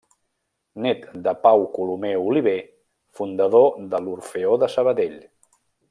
Nét de Pau Colomer Oliver, fundador de l'Orfeó de Sabadell.